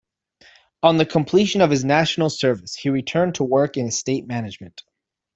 On completion of his National Service he returned to work in Estate Management.